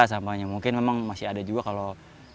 sampahnya mungkin memang masih ada juga kalau